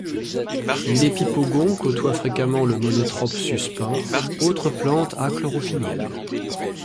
L'épipogon côtoie fréquemment le monotrope sucepin, autre plante achlorophyllienne.